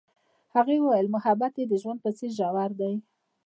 هغې وویل محبت یې د ژوند په څېر ژور دی.